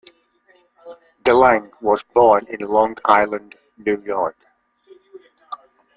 DeLange was born in Long Island, New York.